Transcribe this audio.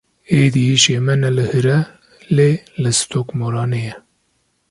Êdî îşê me ne li hire lê li Stokmoranê ye.